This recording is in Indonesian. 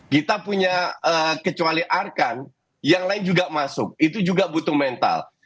kita punya kecuali arkan yang lain juga masuk itu juga butuh mental